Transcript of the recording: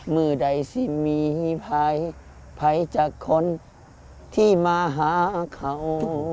มือใดที่มีภัยภัยจากคนที่มาหาเขา